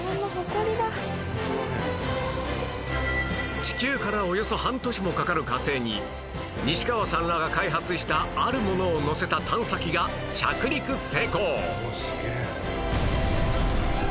地球からおよそ半年もかかる火星に西川さんらが開発したあるものを載せた探査機が着陸成功！